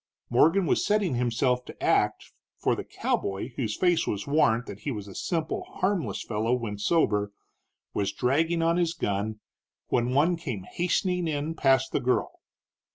Morgan was setting himself to act, for the cowboy, whose face was warrant that he was a simple, harmless fellow when sober, was dragging on his gun, when one came hastening in past the girl.